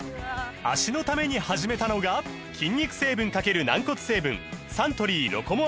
脚のために始めたのが筋肉成分×軟骨成分サントリー「ロコモア」です